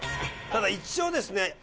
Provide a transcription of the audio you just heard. ただ一応ですね